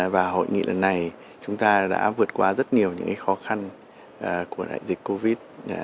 và hội nghị lần này chúng ta đã vượt qua rất nhiều những khó khăn của đại dịch covid